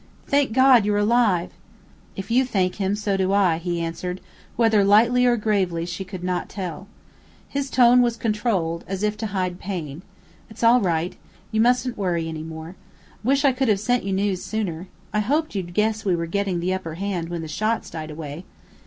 "Thank God you're alive!" "If you thank Him, so do I," he answered, whether lightly or gravely she could not tell. His tone was controlled, as if to hide pain. "It's all right. You mustn't worry any more. Wish I could have sent you news sooner. I hoped you'd guess we were getting the upper hand when the shots died away.